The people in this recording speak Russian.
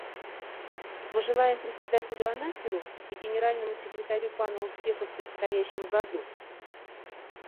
Мы желаем Председателю анНасеру и Генеральному секретарю Пану успеха в предстоящем году.